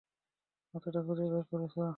মাথাটা খুঁজে বের করেছো।